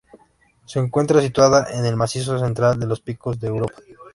Se encuentra situada en el macizo central de los Picos de Europa.